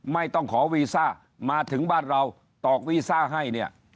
ไม่ต้องขอวีซ่ามาถึงบ้านเราตอกวีซ่าให้เนี่ย